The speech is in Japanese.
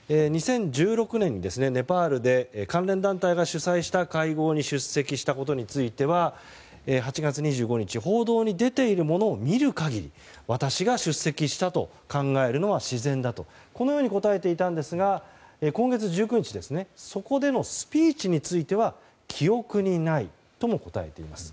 ２０１６年、ネパールで関連団体が主催した会合に出席したことについては８月２５日報道に出ているものを見る限り私が出席したと考えるのは自然だとこのように答えていたんですが今月１９日そこでのスピーチについては記憶にないとも答えています。